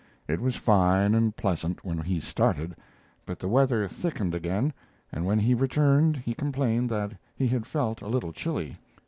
It was fine and pleasant when he started, but the weather thickened again and when he returned he complained that he had felt a little chilly.